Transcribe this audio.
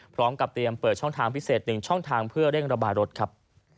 พร้อมกับเตรียมเปิดช่องทางพิเศษ๑ช่องทางเพื่อเร่งระบายรถครับ